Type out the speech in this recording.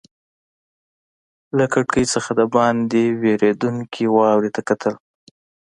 له کړکۍ څخه دباندې ورېدونکې واورې ته کتل.